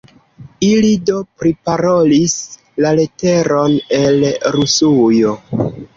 Ili do priparolis la leteron el Rusujo.